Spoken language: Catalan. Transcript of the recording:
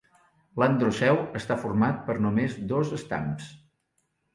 L'androceu està format per només dos estams.